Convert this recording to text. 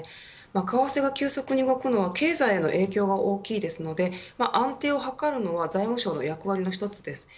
為替が急速に動くのは経済への影響が大きいですので安定を図るのは財務省の役割の一つです。